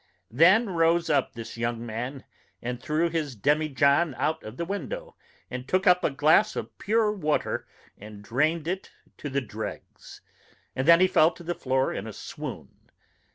Then rose up this young man, and threw his demijohn out of the window, and took up a glass of pure water, and drained it to the dregs. And then he fell to the floor in a swoon.